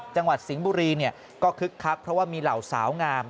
จังหวัดสิงห์บุรีเนี่ยก็คึกคักเพราะว่ามีเหล่าสาวงาม